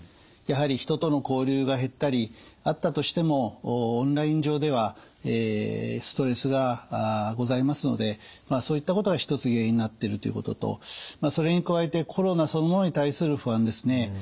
やはり人との交流が減ったりあったとしてもオンライン上ではストレスがございますのでそういったことが一つ原因になってるということとそれに加えてコロナそのものに対する不安ですね。